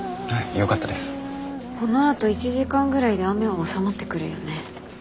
このあと１時間ぐらいで雨は収まってくるよね？